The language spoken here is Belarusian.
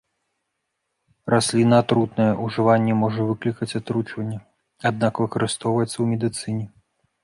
Расліна атрутная, ужыванне можа выклікаць атручванне, аднак, выкарыстоўваецца ў медыцыне.